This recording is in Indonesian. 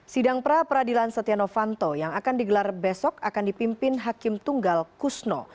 sidang pra pradilan setiano fanto yang akan digelar besok akan dipimpin hakim tunggal kusno